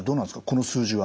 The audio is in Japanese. この数字は。